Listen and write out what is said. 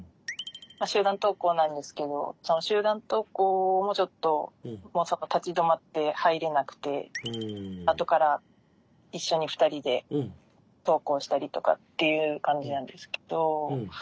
集団登校なんですけどその集団登校もちょっと立ち止まって入れなくてあとから一緒に２人で登校したりとかっていう感じなんですけど。